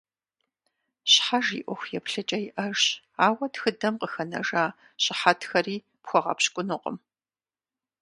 Щхьэж и ӏуэху еплъыкӏэ иӏэжщ, ауэ тхыдэм къыхэнэжа щыхьэтхэри пхуэгъэпщкӏунукъым.